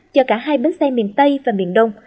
cho cả hai bến xe miền tây và miền đông